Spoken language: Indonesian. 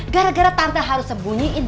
gara gara tanpa harus sembunyiin